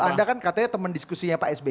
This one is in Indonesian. anda kan katanya teman diskusinya pak sby